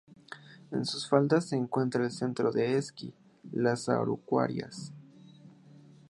En sus faldas se encuentra el Centro de esquí Las Araucarias.